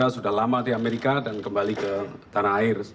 yang kedua berkembang lama di amerika dan kembali ke tanah air